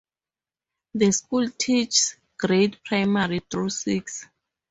The school teaches grades primary through six.